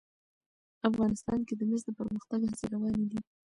افغانستان کې د مس د پرمختګ هڅې روانې دي.